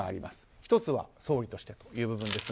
１つは総理としてのという部分。